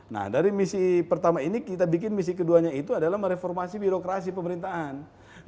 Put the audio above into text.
nah dari misi pertama ini kita bikin misi keduanya itu adalah mereformasi birokrasi pemerintahan